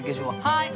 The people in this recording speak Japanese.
◆はい。